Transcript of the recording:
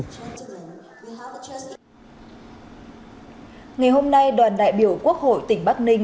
ngày hôm nay đoàn đại biểu quốc hội tỉnh bắc ninh